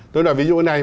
tôi nói ví dụ như thế này